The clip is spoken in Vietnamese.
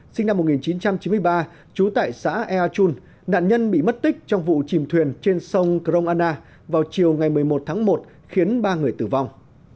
sinh năm một nghìn chín trăm chín mươi ba trú tại xã ea chun nạn nhân bị mất tích trong vụ chìm thuyền trên sông crong anna vào chiều ngày một mươi một tháng một khiến ba người tử vong